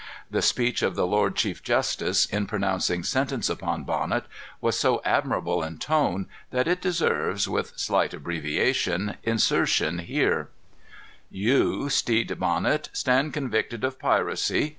The speech of the lord chief justice, in pronouncing sentence upon Bonnet, was so admirable in tone, that it deserves, with slight abbreviation, insertion here: "You, Stede Bonnet, stand convicted of piracy.